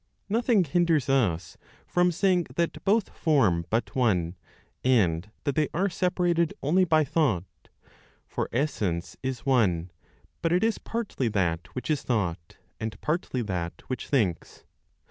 Nothing hinders us from saying that both form but one, and that they are separated only by thought; for essence is one, but it is partly that which is thought, and partly that which thinks.